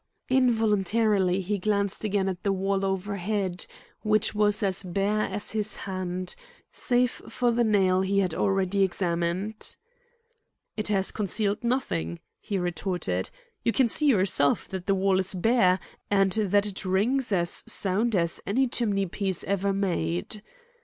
Involuntarily he glanced again at the wall overhead, which was as bare as his hand, save for the nail he had already examined. "It has concealed nothing," he retorted. "You can see yourself that the wall is bare and that it rings as sound as any chimneypiece ever made."